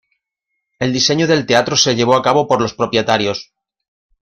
El diseño del teatro se llevó a cabo por los propietarios.